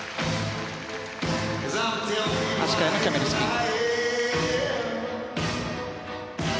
足換えのキャメルスピン。